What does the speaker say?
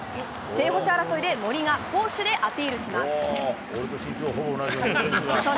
正捕手争いで、森が攻守でアピールします。